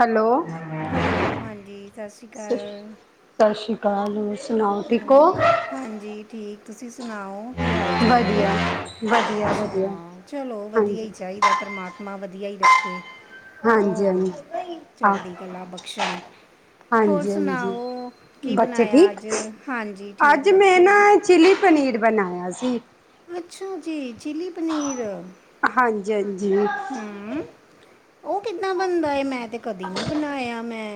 Hello hello ਹਾਂਜੀ ਸਤਿ ਸ਼੍ਰੀ ਅਕਾਲ ਕਾਲੂਸ ਹਮ ਹਾਂਜੀ ਠੀਕ ਤੁਸੀਂ ਸੁਣਾਓ ਕੀ ਹਾਲ ਚਾਲ ਹੈ ਵਧੀਆ ਵਧੀਆ ਵਧੀਆ ਅਛਾ ਚਲੋ ਵਧੀਆ ਹਾਂਜੀ ਹੀ ਚਾਹੀਦਾ ਪਰਮਾਤਮਾ ਵਧੀਆ ਹੀ ਰੱਖੇ ਹਾਂਜੀ ਹੋਰ ਹਾਂਜੀ ਹਾਂ ਚੜ੍ਹਦੀ ਕਲਾ ਬਖਸ਼ਣ ਹੋਰ ਹਾਂਜੀ ਹਾਂਜੀ ਸੁਣਾਓ ਕੀ ਬੱਚੇ ਬਣਾਇਆ ਅੱਜ ਠੀਕ ਹਾਂਜੀ ਠੀਕ ਅੱਜ ਮੈਂ ਨਾ ਬੱਚੇ ਚਿਲੀ ਪਨੀਰ ਬਣਾਇਆ ਸੀ ਅੱਛਾ ਜੀ ਚਿੱਲੀ ਪਨੀਰ ਹਾਂਜੀ ਹਾਂਜੀ ਹਮ ਉਹ ਕਿੱਦਾਂ ਬਣਦਾ ਹੈ ਮੈਂ ਤੇ ਕਦੀ ਨਹੀਂੀ ਬਣਾਇਆ ਮੈਂ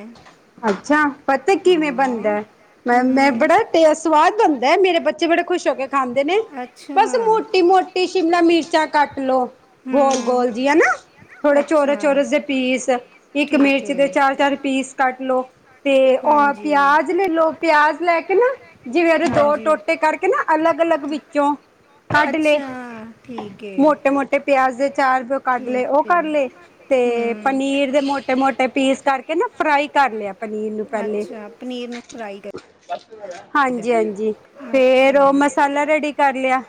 ਅੱਛਾ ਪਤਾ ਕਿਵੇਂ ਹਾਂ ਬਣਦਾ ਮੈਂ ਮੈਂ ਹਮ ਬੜਾ ਟੇ ਸਵਾਦ ਬਣਦਾ ਮੇਰੇ ਬੱਚੀ ਬੜ ਖੁਸ਼ ਹੋ ਕੇ ਖਾਂਦੇ ਨੇ ਅੱਛਾ ਬਸ ਮੋਟੀ ਮੋਟੀ ਸ਼ਿਮਲਾ ਮਿਰਚਾ ਕੱਟ ਲਓ ਗੋਲ ਹਮ ਗੋਲ ਜੀ ਹਨਾ ਥੋੜੇ ਚੋਰਸ ਅੱਛਾ ਚੋਰਸ ਦੇ ਪੀਸ ਇੱਕ ਠੀਕ ਮਿਰਚ ਦੇ ਹੈ ਚਾਰ ਚਾਰ ਪੀਸ ਲੋਕ ਤੇ ਉਹ ਹਾਂਜੀ ਪਿਆਜ ਲੈ ਲੋ ਪਿਆਜ ਲੈ ਕੇ ਕਿੰਨਾ ਜਿਵੇਂ ਉਹਦੇ ਦੋ ਹਾਂਜੀ ਟੋਟੇ ਕਰਕੇ ਨਾ ਅਲੱਗ ਅਲੱਗ ਵਿੱਚੋਂ ਕੱਢਲੇ ਅੱਛਾ ਠੀਕ ਮੋਟੇ ਹੈ ਮੋਟੇ ਪਿਆਜ਼ ਚਾਰ ਰੁਪਓ ਕੱਢ ਲਏ ਠੀਕ ਉਹ ਹੈ ਕਰ ਲਏ ਤੇ ਹੂੰ ਪਨੀਰ ਦੇ ਮੋਟੇ ਮੋਟੇ ਪੀਸ ਕਰਕੇ ਕਿਹਿੰ ਫਰਾਈ ਕਰ ਲਿਆ ਪਨੀਰ ਨੂੰ ਪਹਿਲੇ ਅੱਛਾ ਪਨੀਰ ਨੂੰ ਫਰਾਈ ਕਰੀਦਾ ਹਾਂਜੀ ਹਾਂਜੀ ਫੇਰ ਅੱਛਾ ਉਹ ਮਸਾਲਾ ਰੈਡੀ ਕਰ ਲਿਆ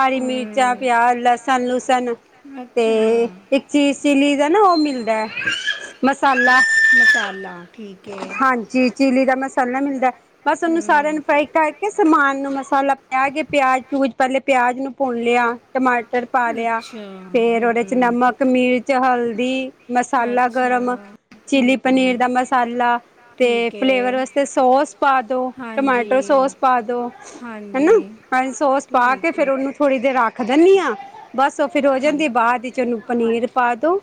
ਹਰੀ ਮਿਰਚਾਂ ਹੂੰ ਪਿਆਜ ਲਸਣ ਲੁਸਣ ਤੇ ਅੱਛਾ ਇੱਕ ਚੀਜ਼ ਚਿਲੀ ਦਾ ਨਾ ਉਹ ਮਿਲਦਾ ਹੈ ਮਸਾਲਾ [unintelligible] ਮਸਾਲਾ ਠੀਕ ਹੈ ਥੱਲੇ ਮਿਲਦਾ ਬਸ, ਉਹਨੂੰ ਸਾਰਿਆਂ ਹੂੰ ਨੂੰ ਫਰਾਈ ਕਰਕੇ, ਸਮਾਨ ਨੂੰ ਮਸਾਲਾ ਪਾ ਕੇ, ਪਿਆਜ਼-ਪਿਉਜ। ਪਹਿਲੇ ਪਿਆਜ ਨੂੰ ਭੁੰਨ ਲਿਆ। ਟਮਾਟਰ ਪਾ ਲਿਆ, ਅੱਛਾ ਫੇਰ ਹੂੰ ਉਹਦੇ 'ਚ ਨਮਕ, ਮਿਰਚ, ਹਲਦੀ, ਮਸਾਲਾ, ਗਰਮ, ਅੱਛਾ ਚਿੱਲੀ ਪਨੀਰ। ਹੂੰ ਦਾ ਮਸਾਲਾ, ਤੇ ਠੀਕ ਫਲੇਵਰ ਹੈ ਵਾਸਤੇ ਸੌਸ ਪਾ ਦੋ, ਟਮਾਟੋ ਹਾਂਜੀ ਸੌਸ ਪਾ ਦੋ, ਹੈ ਹਾਂਜੀ ਨਾ, ਸੌਸ ਪਾ ਕੇ ਠੀਕ ਹੈ ਫੇਰ ਉਹਨੂੰ ਥੋੜੀ ਦ। ਤੇ ਰੱਖ ਦਿੰਨੀ ਹਾਂ। ਬਸ, ਉਹ ਫਿਰ ਹੋ ਜਾਂਦੀ, ਹਾਂ ਤੇ ਬਾਅਦ ਵਿੱਚ ਉਹਨੂੰ ਪਨੀਰ ਪ। ਪਾ ਦੋ।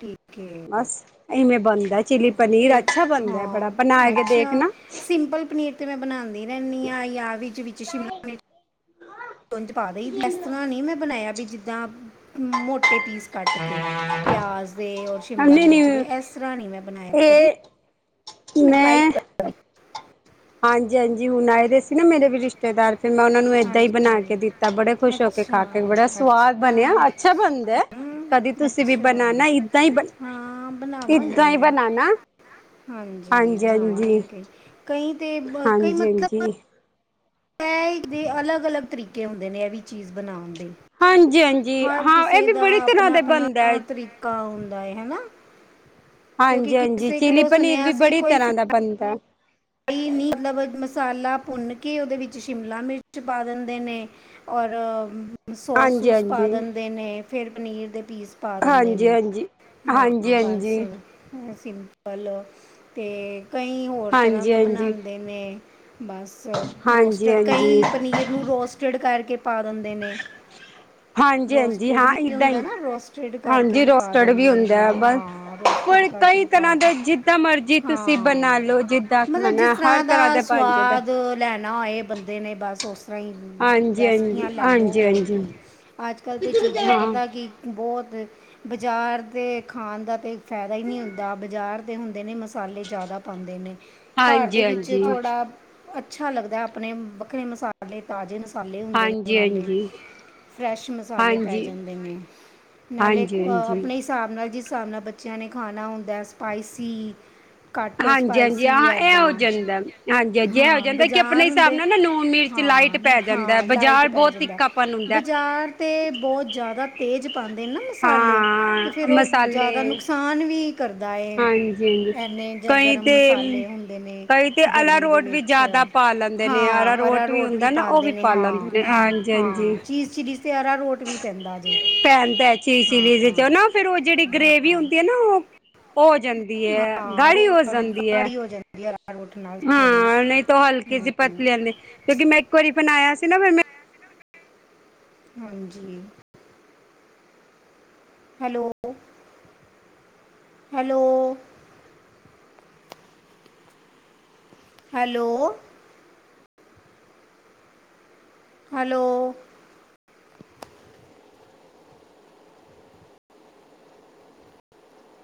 ਠੀਕ ਹੈ ਬਸ ਇਵੇਂ ਬਣਦਾ ਜੈ। ਫਿਰ ਹਾਂ, ਅੱਛਾ, ਸਿੰਪਲ ਪਨੀਰ ਤਾਂ ਮੈਂ ਬਣਾ ਦੀ ਰਹਿੰਦੀ ਹਾਂ, ਜਾਂ ਵਿੱਚ-ਵਿੱਚ ਸ਼ਿਮਲਾ ਮਿਰਚ। [unintelligible] ਇਸ ਤਰ੍ਹਾਂ ਨੀ, ਮੈਂ ਬਣਾਇਆ ਬੀ। ਜਿੱਦਾਂ। ਮੋਟੇ ਪੀਸ ਕੱਟ ਕੇ, ਪਿਆਜ਼ ਦੇ ਔਰ ਸ਼ਿਮਲਾ ਮਿਰਚ ਦੇ ਇਸ ਤਰ੍ਹਾਂ ਨਹੀਂ, ਮੈਂ ਬਣਾਇਆ ਕਦੀ। ਟਰਾਈ ਮੈਂ। ਕਰ। ਹਾਂ ਜੀ, ਹਾਂ ਜੀ, ਹੁਣ ਆਏ ਦੇ ਸੀ ਨਾ, ਮੇਰੇ ਵੀ ਰਿਸ਼ਤੇਦਾਰ। ਫਿਰ ਮੈਂ ਉਹਨਾਂ ਨੂੰ ਏਦਾਂ ਹੀ ਬਣਾ ਹਾਂਜੀ ਕੇ ਦਿੱਤਾ, ਬੜੇ ਖੁਸ਼ ਹੋ ਕੇ ਅੱਛਾ ਖਾ ਕੇ, ਬੜਾ ਸਵਾਦ ਅੱਛਾ ਬਣਿਆ ਅੱਛਾ ਬਣਦਾ, ਹਮ, ਕਦੀ ਤੁਸੀਂ ਵੀ ਅੱਛਾ ਬਨਣਾ ਏਦਾਂ ਹੀ ਵੀ ਹਾਂ ਬਣਾਵਾਂਗੀ ਏਦਾਂ ਹੀ ਮੈਂ ਬਣਨਾ ਹਾਂ ਹਾਂਜੀ ਜੀ, ਹਾਂ ਜੀ। ਬਣਾਵਾਂਗੀ ਕਈ ਕਈ ਤੇ ਕਈ ਮਤਲਬ। ਇਹ ਇੱਕ ਦੇ ਅਲੱਗ-ਅਲੱਗ ਤਰੀਕੇ ਹੁੰਦੇ ਨੇ, ਇਹ ਵੀ ਚੀਜ਼ ਬਣਾਉਣ ਦੇ। ਹਾਂਜੀ [unintelligible] ਹਾਂਜੀ ਹਰ ਹਾਂ ਇਹ ਕਿਸੇ ਵੀ ਦਾ ਬੜੀ ਤਰ੍ਹਾਂ ਆਪਣਾ ਦਾ ਆਪਣਾ ਬਣਦਾ ਹੈ ਤਰੀਕਾ ਹੂੰ। ਲਾਏ ਹਨਾ। ਹਾਂਜੀ-ਹਾਂਜੀ, ਚਿਲੀ ਪਨੀਰ ਵੀ ਬੜੀ ਤਰ੍ਹਾਂ ਦਾ ਬਣਦਾ। ਕਈ ਨੀ ਮਤਲਬ ਮਸਾਲਾ। ਭੁੰਨ ਕੇ, ਉਹਦੇ ਵਿੱਚ ਸ਼ਿਮਲਾ ਮਿਰਚ ਪਾ ਦਿੰਦੇ ਨੇ, ਔਰ। ਹਾਂਜੀ ਸੌਸ-ਸੂਸ ਪਾ ਹਾਂਜੀ ਦਿੰਦੇ ਨੇ, ਫਿਰ ਪਨੀਰ। ਦੇ ਪੀਸ ਪਾ ਦਿੰਦੇ ਹਾਂਜੀ ਨੇ ਹਾਂਜੀ ਹਾਂ ਹਾਂਜੀ ਬਸ ਹਾਂਜੀ ਬ ਸਿੰਪਲ ਅਤੇ ਕਈ ਤਰ੍ਹਾਂ ਹਾਂਜੀ ਦਾ ਹਾਂਜੀ ਬਣਾਉਂਦੇ ਨੇ ਬਸ ਹਾਂਜੀ ਹਾਂਜੀ ਰੋਸਟਡ ਕਈ ਪਨੀਰ ਨੂੰ ਰੋਸਟਡ ਕਰਕੇ ਅੱਗੇ ਪਾ ਦਿੰਦੇ ਨੇ ਹਾਂਜੀ ਹਾਂਜੀ ਰੋਸਟਡ ਹਾਂ ਵੀ ਏਦਾਂ ਹੁੰਦਾ ਹੀ ਨਾ ਰੋਸਟਡ ਕਰਕੇ ਹਾਂਜੀ ਵੀ ਪਾ ਰੋਸਟਡ ਵੀ ਦਿੰਦੇ ਹੁੰਦਾ ਹੈ ਨੇ ਬਸ ਹਾਂ ਰੋਸਟਡ ਪਰ ਕਰਕੇ ਕਈ ਵੀ ਪਾ ਤਰ੍ਹਾਂ ਦਾ ਦਿੰਦੇ ਜਿੱਦਾਂ ਮਰਜੀ ਤੁਸੀਂ ਹਾਂ ਬਣਾ ਲਓ ਜਿ ਮਤਲਬ ਜਿਸ ਤਰ੍ਹਾਂ ਦਾ ਸਵਾਦ ਲੈਣਾ ਹੋਏ ਬੰਦੇ ਨੇ ਬਸ ਉਸ ਤਰ੍ਹਾਂ ਹੀ ਹਾਂਜੀ ਹਾਂਜੀ ਰੈਸਪੀਆਂ ਲੈ ਲਓ ਹਾਂਜੀ ਹੋਰ ਹਾਂਜੀ ਕੀ। ਅੱਜ ਕੱਲ ਤਾਂ ਚੀਜ਼ਾਂ ਹਾਂ ਪਤਾ ਕਿ ਬਹੁਤ, ਬਜ਼ਾਰ ਦੇ ਖਾਣ ਦਾ ਤਾਂ, ਫਾਇਦਾ ਹੀ ਨਹੀਂ ਹੁੰਦਾ। ਬਜ਼ਾਰ, ਦੇ ਹੁੰਦੇ ਨੇ ਮਸਾਲੇ ਜ਼ਿਆਦਾ ਪਾਉਂਦੇ ਨੇ। ਘਰ ਦੇ ਹਾਂਜੀ ਵਿੱਚ ਹਾਂਜੀ ਹਾਂਜੀ ਥੋੜ੍ਹਾ, ਅੱਛਾ ਲੱਗਦਾ ਹੈ ਆਪਣੇ ਵੱਖਰੇ ਮਸਾਲੇ ਤਾਜ਼ੇ। ਮਸਾਲੇ ਹੁੰਦੇ ਨੇ। ਨਾਲੇ ਹਾਂਜੀ ਫਰੈਸ਼ ਮਸਾਲੇ ਪੈ ਹਾਂਜੀ ਜਾਂਦੇ ਨੇ। ਨਾਲੇ ਹਾਂਜੀ ਹਾਂਜੀ ਆਪਣੇ ਹਿਸਾਬ ਨਾਲ ਜਿਸ, ਹਿਸਾਬ ਨਾਲ ਬੱਚਿਆਂ ਨੇ ਖਾਣਾ ਹੁੰਦਾ ਸਪਾਈਸੀ। ਘੱਟੋ ਹਾਂਜੀ ਸਪਾਈਸ, ਹਾਂਜੀ ਸੀ ਹਾਂ ਇਹ ਹੋ ਏਦਾਂ। ਜਾਂਦਾ ਹਾਂਜੀ ਹਾਂਜੀ ਇਹ ਹੋ ਹਾਂ ਜਾਂਦਾ ਕਿ ਆਪਣੇ ਬਜ਼ਾਰ ਹਿਸਾਬ ਹੁੰਦੇ ਨਾਲ ਨਾ ਲੂਣ ਮਿਰਚ ਲਾਈਟ ਹਾਂ ਪੈ ਜਾਂਦਾ ਹਾਂ ਲਾਈਟ ਬਾਜ਼ਾਰ ਪੈ ਬਹੁਤ ਜਾਂਦਾ ਤਿੱਖਾਪਨ ਹੁੰਦਾ ਬਜ਼ਾਰ ਤੇ ਬਹੁਤ ਜ਼ਿਆਦਾ ਤੇਜ਼ ਪਾਉਂਦੇ ਨਾ ਮਸਾਲੇ ਤੇ ਹਾਂ ਫਿਰ ਉਹ ਮਸਾਲੇ ਜ਼ਿਆਦਾ ਨੁਕਸਾਨ ਵੀ, ੀ [inaudible] ਕਰਦਾ ਹੈ। ਹਾਂਜੀ ਹਾਂਜੀ ਇਨੇ ਜਾਂ ਕਈ ਗਰਮ ਤੇ ਮਸਲ ਕਈ ਤੇ ਅਲਾਰੋਟ ਵੀ ਵਿੱਚ ਜਿਆਦਾ ਪਾ ਲੈਂਦੇ ਨੇ ਹਾਂ ਅਲਾਰੋਟ ਵੀ ਅਰਾਰੋਟ ਹੁੰਦਾ ਨਾ ਉਹ ਪਾਉਂਦੇ ਵੀ ਨੇ ਪਾ ਹਾਂ ਲੈਂਦੇ ਨੇ। ਹਾਂਜੀ-ਹਾਂਜੀ। ਹਾਂ ਚੀਜ਼ ਚਿੱਲੀ ਤੇ ਅਰਾਰੋਟ ਵੀ ਪੈਂਦਾ ਜੇ ਪੈਂਦਾ ਚੀਜ ਹਾਂ ਚੀਲੀ ਚ ਨਾ ਫਿਰ ਉਹ ਜਾਂਦਾ ਗਰੇਵੀ ਹਾਂ ਹੁੰਦੀ ਆ ਨਾ ਉਹ, ਹੋ ਜਾਂਦੀ ਹੈ ਹਾਂ ਗਾੜੀ ਰੋ ਹੋ ਜਾਂਦੀ ਹੈ। ਗਾੜੀ ਹੋ ਜਾਂਦੀ ਹੈ ਅਰਾਰੋਟ ਨਾਲ ਥੋੜ੍ਹੀ ਹਾਂ ਨਹੀਂ ਤਾਂ ਹਲਕੇ ਸੀ ਪਤ ਲਿਆਂਦੇ। ਕਿਉਂਕਿ ਮੈਂ ਇੱਕ ਵਾਰੀ ਬਣਾਇਆ ਸੀ, ਚਿੰਨਾ ਭਿਰ ਮੈਂ [unintelligible] ਹਾਂਜੀ। ਹੈਲੋ-ਹੈਲੋ। ਹੈਲੋ। ਹੈਲੋ,